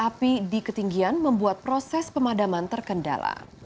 api di ketinggian membuat proses pemadaman terkendala